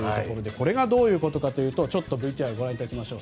これがどういうことかというとＶＴＲをご覧いただきましょう。